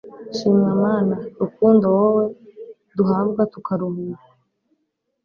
shimwa mana rukundo wowe duhabwa tukaruhuka